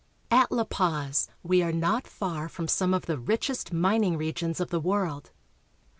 AT La Paz we are not far from some of the richest min l\ ing regions of the world.